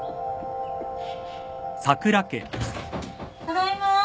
ただいま。